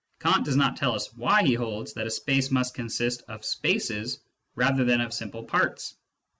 Kant does not tell us why he holds that a space must consist of spaces rather than of simple parts.